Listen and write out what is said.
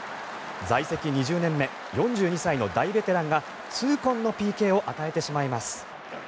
在籍２０年目４２歳の大ベテランが痛恨のＰＫを与えてしまいます。